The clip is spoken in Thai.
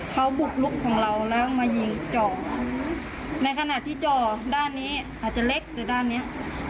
เขาบุกลุกของเราแล้วมายิงเจาะในขณะที่จ่อด้านนี้อาจจะเล็กหรือด้านเนี้ย